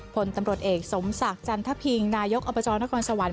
ผลตำรวจเอกสมศักดิ์จันทพิงนายกอบจนครสวรรค